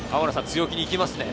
強気にいきますね。